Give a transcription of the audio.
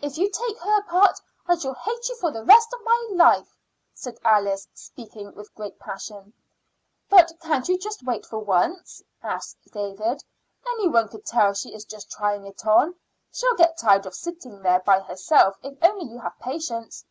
"If you take her part I shall hate you all the rest of my life," said Alice, speaking with great passion. "But can't you wait just for once?" asked David. "Any one could tell she is just trying it on. She'll get tired of sitting there by herself if only you have patience."